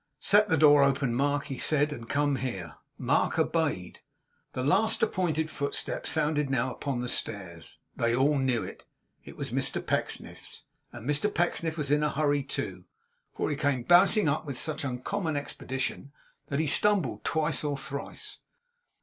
'Set the door open, Mark!' he said; 'and come here.' Mark obeyed. The last appointed footstep sounded now upon the stairs. They all knew it. It was Mr Pecksniff's; and Mr Pecksniff was in a hurry too, for he came bounding up with such uncommon expedition that he stumbled twice or thrice.